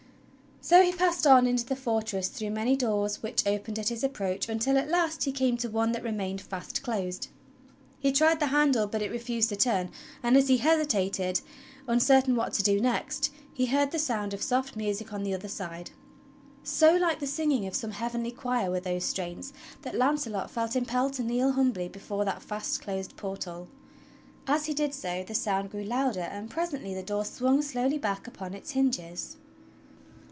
So he passed on into the fortress through many doors which opened at his approach until at last he came to one that remained fast closed. He tried the handle, but it refused to turn; and as he hesitated, uncertain what to do next, he heard the sound of soft music on the other side. So like the singing of some heavenly choir were those strains that Launcelot felt impelled to kneel humbly before that fast closed portal. As he did so the sound grew louder, and presently the door swung slowly back upon its hinges.